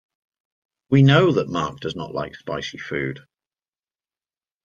We know that Mark does not like spicy food.